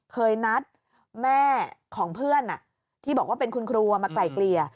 เคยนัดแม่ของเพื่อนที่บอกว่าเป็นคุณครัวมาไกลเกลี่ย